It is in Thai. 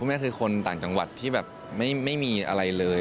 แม่คือคนต่างจังหวัดที่แบบไม่มีอะไรเลย